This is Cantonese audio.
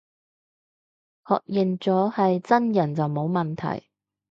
確認咗係真人就冇問題